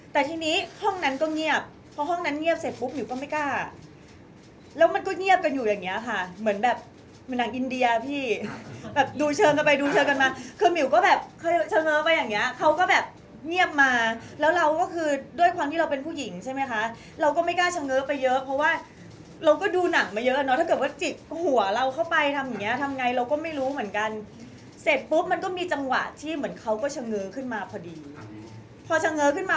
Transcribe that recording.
แต่ทีนี้ห้องนั้นก็เงียบเพราะห้องนั้นเงียบเสร็จปุ๊บมิวก็ไม่กล้าแล้วมันก็เงียบกันอยู่อย่างเนี้ยค่ะเหมือนแบบหนังอินเดียพี่ดูเชิงกันไปดูเชิงกันมาคือมิวก็แบบเชิงเอาไปอย่างเนี้ยเขาก็แบบเงียบมาแล้วเราก็คือด้วยครั้งที่เราเป็นผู้หญิงใช่ไหมคะเราก็ไม่กล้าเชิงเอาไปเยอะเพราะว่าเราก็ดูหนังมา